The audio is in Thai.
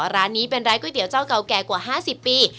ร้านนี้เป็นร้านก๋วยเตี๋ยวเจ้าเก่าแก่กว่า๕๐ปี